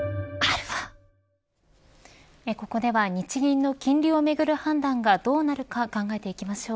ここでは日銀の金利をめぐる判断がどうなるか考えていきましょう。